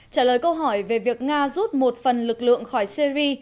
trả lời câu hỏi về việc nga rút một phần lực lượng khỏi syri